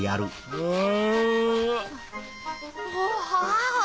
うん。